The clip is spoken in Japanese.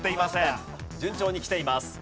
順調にきています。